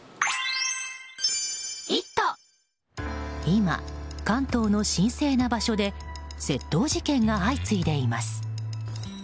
今、関東の神聖な場所で窃盗事件が相次いでいます。